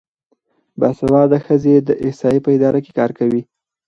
باسواده ښځې د احصایې په اداره کې کار کوي.